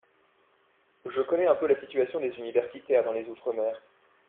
Je connais un peu la situation des universitaires dans les outre-mer.